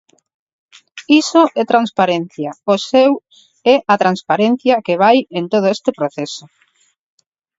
Iso é transparencia, o seu é a transparencia que vai en todo este proceso.